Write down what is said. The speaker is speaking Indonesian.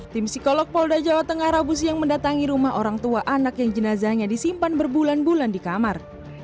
tim psikolog polda jawa tengah rabu siang mendatangi rumah orang tua anak yang jenazahnya disimpan berbulan bulan di kamar